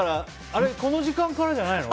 この時間からじゃないの？